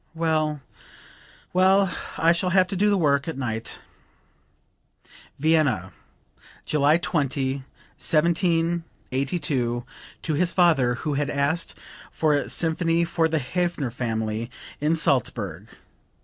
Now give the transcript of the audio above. Well, well; I shall have to do the work at night." (Vienna, July 20, 1782, to his father who had asked for a symphony for the Hafner family in Salzburg.